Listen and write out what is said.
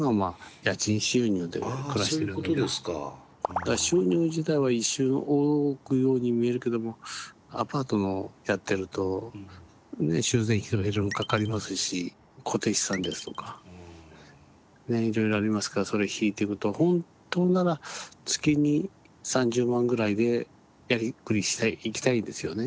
だから収入自体は一瞬多くのように見えるけどもアパートのやってるとね修繕費とかいろいろかかりますし固定資産ですとかねいろいろありますからそれ引いてくとほんとなら月に３０万ぐらいでやりくりしたいいきたいですよね。